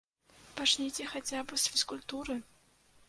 Пачніце хаця б з фізкультуры!